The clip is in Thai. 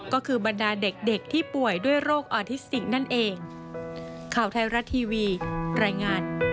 ก็คือบรรดาเด็กที่ป่วยด้วยโรคออทิสติกนั่นเอง